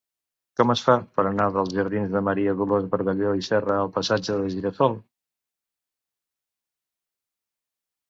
Com es fa per anar dels jardins de Maria Dolors Bargalló i Serra al passatge del Gira-sol?